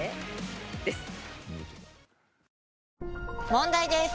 問題です！